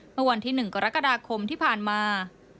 เมื่อวันที่๑กรกฎาคมที่ผ่านมา